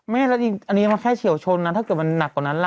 ไม่แล้วจริงอันนี้มันแค่เฉียวชนนะถ้าเกิดมันหนักกว่านั้นล่ะ